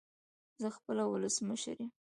زه خپله ولسمشر يم